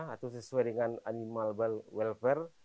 atau sesuai dengan animal welfare